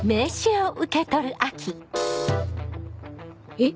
えっ！